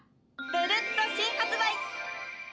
ブルッと新発売！」。